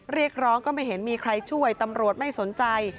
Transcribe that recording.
เรียกร้องก็ไม่เห็นมีใครช่วยตำรวจไม่สนใจ